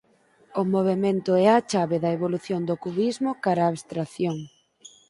O movemento é a chave da evolución do cubismo cara á abstracción.